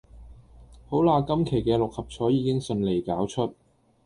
好喇今期嘅六合彩已經順利攪出